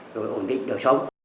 rồi ổn định đời sống